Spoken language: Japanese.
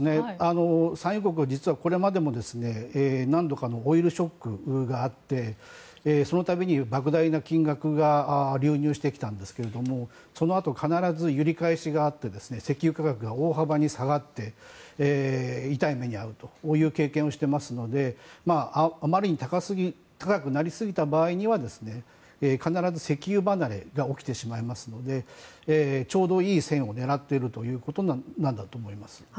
産油国は実はこれまでも何度かオイルショックがあってその度に莫大な金額が流入してきたんですけどもそのあと、必ず揺り返しがあって石油価格が大幅に下がって痛い目に遭うという経験をしていますのであまりに高くなりすぎた場合には必ず、石油離れが起きてしまいますのでちょうどいい線を狙っているということなんだと思います。